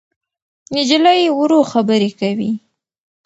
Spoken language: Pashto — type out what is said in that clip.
نجلۍ ورو خبرې کوي.